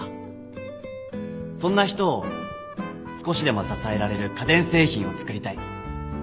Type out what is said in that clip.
そんな人を少しでも支えられる家電製品を作りたい。